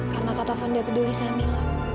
karena kak taufan udah peduli sama mila